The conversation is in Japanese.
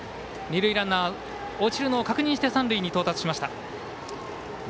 二塁ランナー落ちるのを確認して三塁に到達。